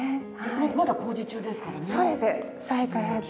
まだ工事中ですからね渋谷駅。